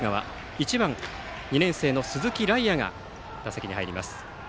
１番、２年生の鈴木徠空が打席に入ります。